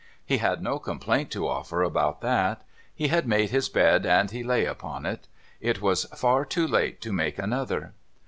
He had no complaint to offer about that. He had made his bed, and he lay upon it. It was far too late to make another.